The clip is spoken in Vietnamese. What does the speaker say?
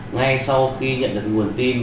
ngay sau khi nhận được nguồn tin